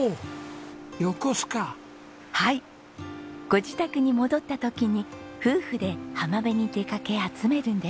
ご自宅に戻った時に夫婦で浜辺に出かけ集めるんです。